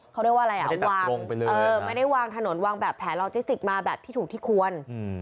เขาเรียกว่าอะไรอ่ะวางไปเลยไม่ได้วางถนนวางแบบแผลลอจิสติกมาแบบที่ถูกที่ควร